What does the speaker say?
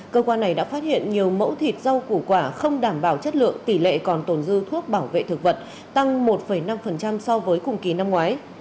cơ quan này đã phát hiện nhiều mẫu thịt rau củ quả không đảm bảo chất lượng tỷ lệ còn tồn dư thuốc bảo vệ thực vật tăng một năm so với cùng kỳ năm ngoái